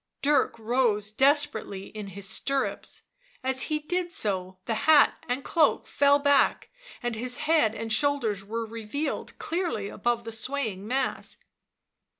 Dirk rose desperately in his stirrups ; as he did so the hat and cloak fell back and his head and shoulders were revealed clearly aboye the swaying mass.